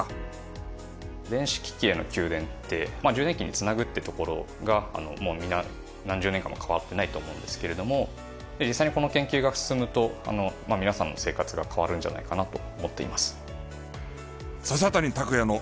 電子機器への給電って充電器に繋ぐっていうところがもうみんな何十年間も変わってないと思うんですけれども実際にこの研究が進むと皆さんの生活が変わるんじゃないかなと思っています。